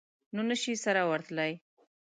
نو نه شي سره ورتلای.